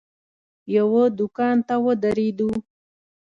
یوه دوکان ته ودرېدو.